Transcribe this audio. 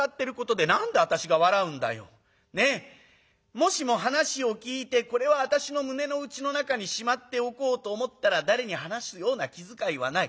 もしも話を聞いてこれは私の胸の内の中にしまっておこうと思ったら誰に話すような気遣いはない。